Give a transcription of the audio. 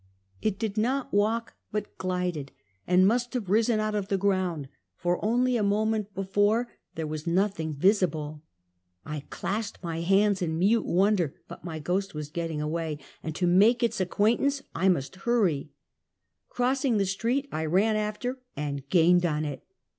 It did not walk, but glided, and must have risen out of the ground, for only a moment before there was nothing visible. I clasped my hands in mute wonder, but my ghost was getting away, and to make its ac quaintance I must hurry. Crossing the street I ran after and gained on it.